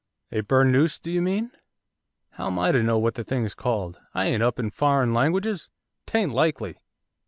'A burnoose do you mean?' 'How am I to know what the thing's called? I ain't up in foreign languages, 'tain't likely!